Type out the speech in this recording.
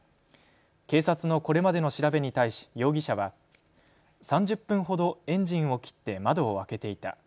警察のこれまでの調べに対し容疑者は３０分ほどエンジンを切って窓を開けていた。